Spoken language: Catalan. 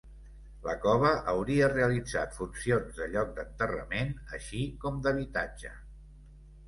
La cova hauria realitzat funcions de lloc d'enterrament, així com d'habitatge.